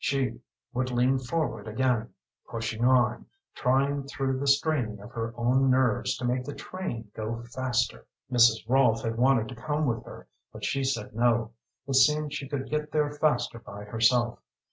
She would lean forward again pushing on, trying through the straining of her own nerves to make the train go faster. Mrs. Rolfe had wanted to come with her, but she said no. It seemed she could get there faster by herself.